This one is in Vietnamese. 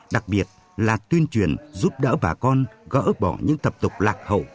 đặc biệt là tuyên truyền giúp đỡ bà con gỡ bỏ những tập tục lạc hậu